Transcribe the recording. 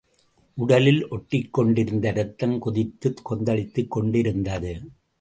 உடலில் ஓடிக் கொண்டிருந்த இரத்தம் கொதித்துக் கொந்தளித்துக்கொண்டிருந்தது.